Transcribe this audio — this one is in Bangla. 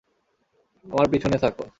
আমার পিছনে থাকো!